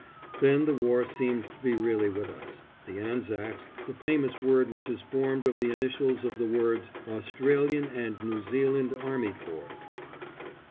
Then the war seemed to be really with us, the Anzacs, the famous word which is formed of the initials of the words "Australian and New Zealand Army Corps."